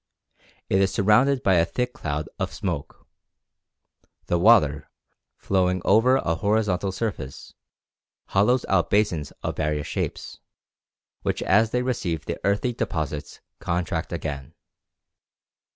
It is surrounded by a thick cloud of smoke. The water, flowing over a horizontal surface, hollows out basins of various shapes, which as they receive the earthy deposits contract again.